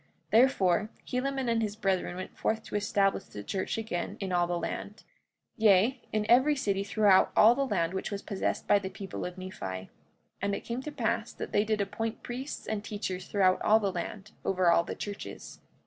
45:22 Therefore, Helaman and his brethren went forth to establish the church again in all the land, yea, in every city throughout all the land which was possessed by the people of Nephi. And it came to pass that they did appoint priests and teachers throughout all the land, over all the churches.